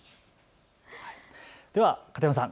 では片山さん